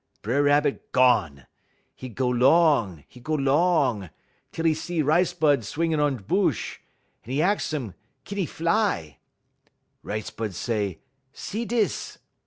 "B'er Rabbit gone! 'E go 'long, 'e go 'long, tel 'e see rice bud swingin' on bush. 'E ahx um kin 'e fly. "Rice bud say: 'See dis!'